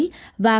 và không ăn ăn